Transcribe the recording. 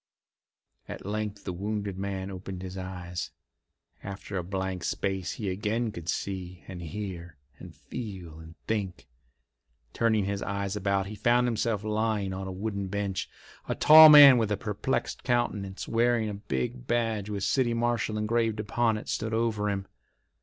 At length the wounded man opened his eyes. After a blank space he again could see and hear and feel and think. Turning his eyes about, he found himself lying on a wooden bench. A tall man with a perplexed countenance, wearing a big badge with "City Marshal" engraved upon it, stood over him.